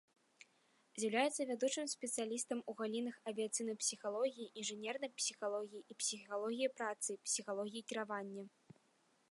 З'яўляецца вядучым спецыялістам у галінах авіяцыйнай псіхалогіі, інжынернай псіхалогіі і псіхалогіі працы, псіхалогіі кіравання.